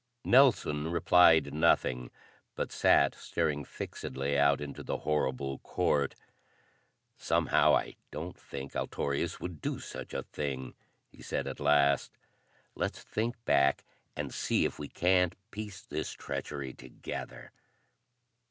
Nelson replied nothing, but sat staring fixedly out into the horrible court. "Somehow, I don't think Altorius would do such a thing," he said at last. "Let's think back and see if we can't piece this treachery together."